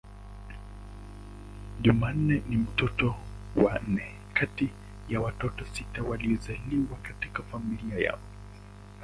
Jumanne ni mtoto wa nne kati ya watoto sita waliozaliwa katika familia yao.